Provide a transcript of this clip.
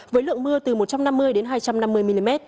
với lượng mưa từ một trăm năm mươi đến hai trăm năm mươi mm